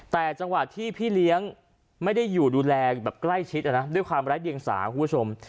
แต่จังหวะที่พี่เลี้ยงไม่ได้อยู่ดูแลแบบใกล้ชิดด้วยความไร้เดียงสาคุณผู้ชม